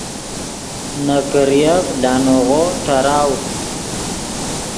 نے کریف لانغو ݯیراؤ